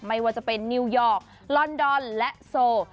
ไม่ว่าจะเป็นนิวยอร์กลอนดอนและโซ